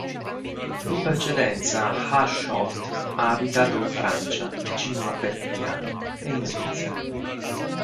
In precedenza Hushovd ha abitato in Francia, vicino a Perpignano, e in Svizzera.